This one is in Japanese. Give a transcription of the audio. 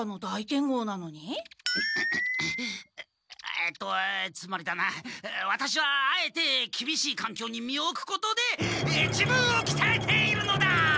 えっとつまりだなワタシはあえてきびしいかんきょうに身をおくことで自分をきたえているのだ！